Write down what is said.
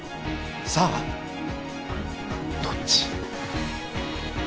さあどっち？